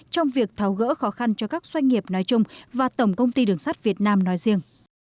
trong việc tháo gỡ khó khăn cho các doanh nghiệp nói chung và tổng công ty đường sắt việt nam nói riêng